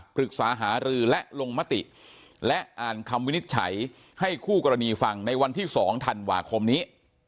ปรึกษาหารือและลงมติและอ่านคำวินิจฉัยให้คู่กรณีฟังในวันที่๒ธันวาคมนี้